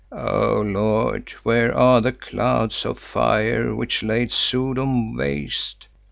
"Oh Lord, where are the clouds of fire which laid Sodom waste?